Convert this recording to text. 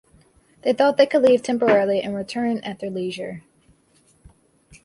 They thought they could leave temporarily and return at their leisure.